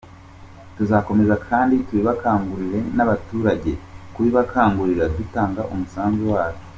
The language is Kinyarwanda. Tuzakomeza kandi tubikangurire n’abaturage kubibakangurira dutanga umusanzu wacu.